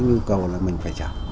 như cầu là mình phải chạy